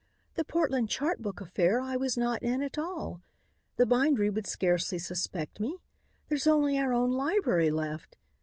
The Portland chart book affair I was not in at all. The bindery would scarcely suspect me. There's only our own library left.